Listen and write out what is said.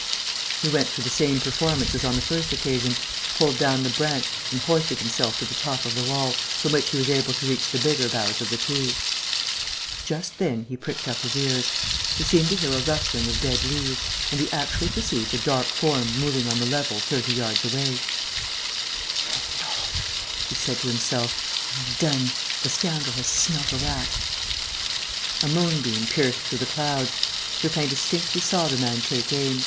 He went through the same performance as on the first occasion, pulled down the branch and hoisted himself to the top of the wall, from which he was able to reach the bigger boughs of the tree. Just then he pricked up his ears. He seemed to hear a rustling of dead leaves. And he actually perceived a dark form moving on the level thirty yards away: "Hang it all!" he said to himself. "I'm done: the scoundrel has smelt a rat." A moonbeam pierced through the clouds. Lupin distinctly saw the man take aim.